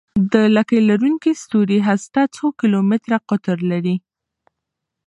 د لکۍ لرونکي ستوري هسته څو کیلومتره قطر لري.